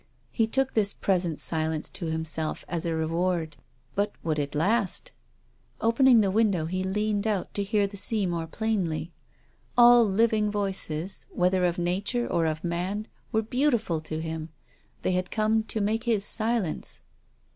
He took this present silence to himself as a reward. But would it last ? Opening the window he leaned out to hear the sea more plainly. All living voices, whether of Nature or of man, were beautiful to him, they had come to make his silence.